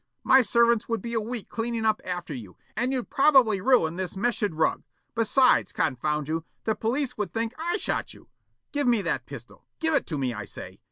My servants would be a week cleaning up after you, and you'd probably ruin this Meshed rug. Besides, confound you, the police would think that I shot you. Give me that pistol! Give it to me, I say.